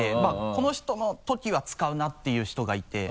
この人の時は使うなっていう人がいて。